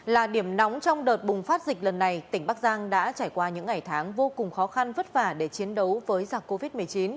là điểm nóng trong đợt bùng phát dịch lần này tỉnh bắc giang đã trải qua những ngày tháng vô cùng khó khăn vất vả để chiến đấu với giặc covid một mươi chín